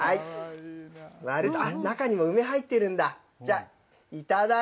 割ると、中にも梅入ってるんだ。